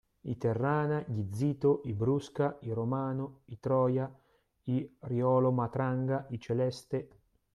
I Terrana, gli Zito, i Brusca, i Romano, i Troia, i Riolo-Matranga, i Celeste